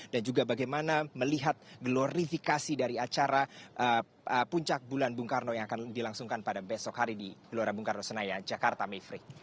dan juga bagaimana melihat glorifikasi dari acara puncak bulan bung karno yang akan dilangsungkan pada besok hari di gelora bung karno senaya jakarta mifri